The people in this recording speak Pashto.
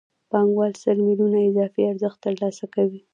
پانګوال سل میلیونه اضافي ارزښت ترلاسه کوي